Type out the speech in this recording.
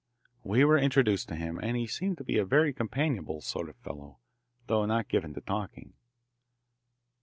We were introduced to him, and be seemed to be a very companionable sort of fellow, though not given to talking.